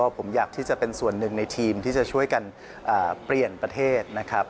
ผมอยากที่จะเป็นส่วนหนึ่งในทีมที่จะช่วยกันเปลี่ยนประเทศนะครับ